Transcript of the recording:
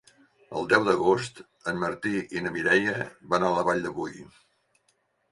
El deu d'agost en Martí i na Mireia van a la Vall de Boí.